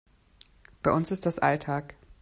Bei uns ist das Alltag.